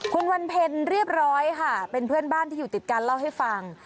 คุณวันเพ็ญเรียบร้อยค่ะเป็นเพื่อนบ้านที่อยู่ติดกันเล่าให้ฟัง